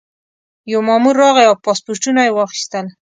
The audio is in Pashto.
یو مامور راغی پاسپورټونه یې واخیستل.